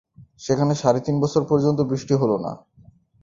সেখানে সাড়ে তিন বছর পর্যন্ত বৃষ্টি হলো না।